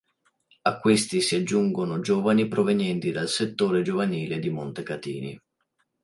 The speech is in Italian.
A questi si aggiungono giovani provenienti dal settore giovanile di Montecatini.